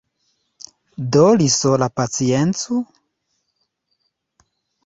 Do li sola paciencu!